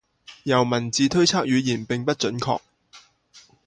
由文字推测语言并不准确。